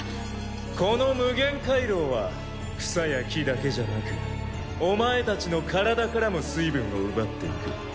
この無限海楼は草や木だけじゃなくお前たちの体からも水分を奪っていく。